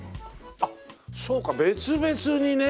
あっそうか別々にね。